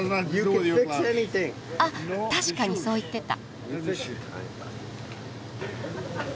あっ確かにそう言ってた。